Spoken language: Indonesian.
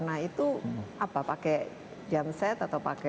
nah itu apa pakai jam set atau pakai